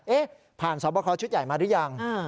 ผ่านสอบคอชุดใหญ่มาหรือยัง